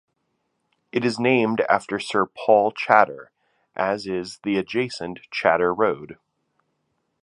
It is named after Sir Paul Chater, as is the adjacent Chater Road.